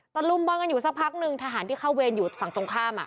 ตอนรุ่นบ้านกันอยู่สักพักหนึ่งทหารที่เข้าเวรอยู่ฝั่งตรงข้ามอ่ะ